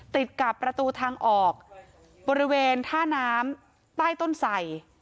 ติดกับประตูทางออกบริเวณท่าน้ำใต้ต้นไส่